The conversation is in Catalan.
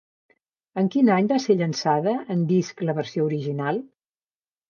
En quin any va ser llançada en disc la versió original?